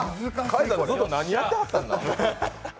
開さん、ずっと何やってはった？